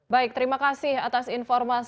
baik terima kasih atas informasi